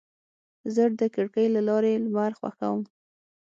زه د کړکۍ له لارې لمر خوښوم.